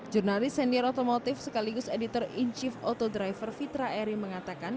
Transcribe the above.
jurnalis senior otomotif sekaligus editor in chief auto driver fitra eri mengatakan